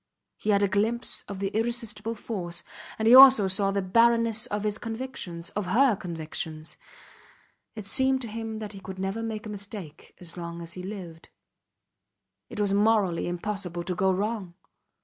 He had a glimpse of the irresistible force, and he saw also the barrenness of his convictions of her convictions. It seemed to him that he could never make a mistake as long as he lived. It was morally impossible to go wrong.